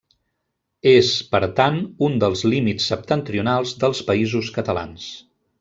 És, per tant, un dels límits septentrionals dels Països Catalans.